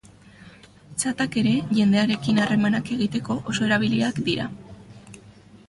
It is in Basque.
Txatak ere jendearekin harremanak egiteko oso erabiliak dira.